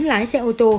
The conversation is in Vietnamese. lái xe ô tô